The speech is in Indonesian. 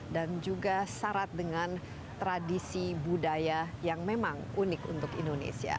dan juga syarat dengan tradisi budaya yang memang unik untuk indonesia